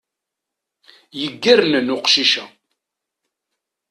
Yeggernen uqcic-a.